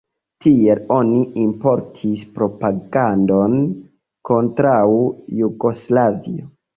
Tiel oni importis propagandon kontraŭ Jugoslavio.